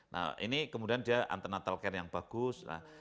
nah ini kemudian dia unternatal care yang bagus